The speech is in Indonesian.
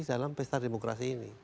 dalam pesta demokrasi ini